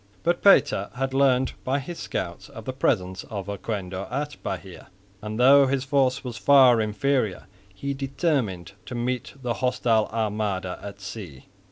But Pater had learnt by his scouts of the presence of Oquendo at Bahia, and though his force was far inferior he determined to meet the hostile armada at sea.